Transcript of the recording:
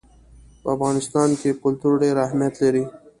په افغانستان کې کلتور ډېر اهمیت لري.